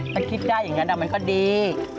ถ้าคิดได้อย่างนั้นมันก็ดี